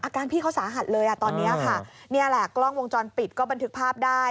พี่เขาสาหัสเลยอ่ะตอนนี้ค่ะนี่แหละกล้องวงจรปิดก็บันทึกภาพได้